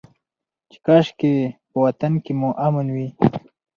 چې کاشکي په وطن کې مو امن وى.